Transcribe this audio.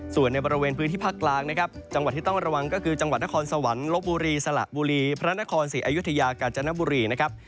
ส่วนในบริเวณพื้นที่ภาคกลางนะครับจังหวัดที่ต้องระวังก็คือจังหวัดนครสวรรค์ลบบุรีสละบุรีพระนครศรีอยุธยากาญจนบุรีนะครับ